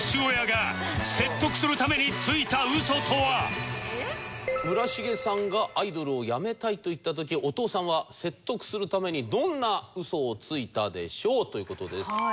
ここで村重さんがアイドルを辞めたいと言った時お父さんは説得するためにどんなウソをついたでしょう？という事です。